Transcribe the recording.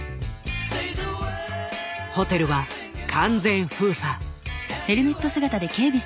ホテルは完全封鎖。